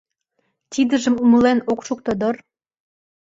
Тидыжым умылен ок шукто дыр.